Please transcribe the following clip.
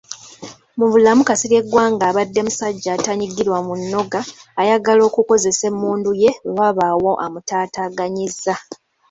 Mu bulamu Kasirye Gwanga abadde musajja atanyigirwa mu nnoga, ayagala okukozesa emmundu ye we wabaawo amutaataaganyizza.